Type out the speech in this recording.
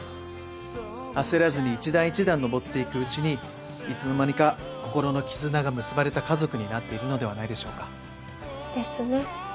焦らずに一段一段上っていくうちにいつの間にか心の絆が結ばれた家族になっているのではないでしょうか。ですね。